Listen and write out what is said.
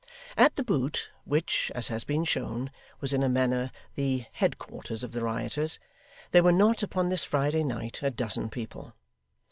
At The Boot, which, as has been shown, was in a manner the head quarters of the rioters, there were not, upon this Friday night, a dozen people.